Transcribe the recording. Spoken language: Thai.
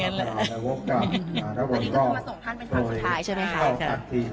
ผ่านสามสุดท้ายใช่มั้ยค่ะ